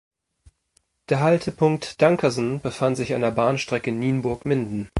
Der Haltepunkt Dankersen befand sich an der Bahnstrecke Nienburg–Minden.